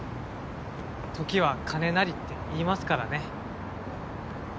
時は金なりっていいますからね。